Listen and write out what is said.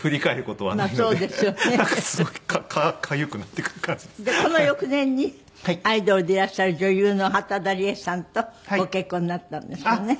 この翌年にアイドルでいらっしゃる女優の畠田理恵さんとご結婚になったんですよね。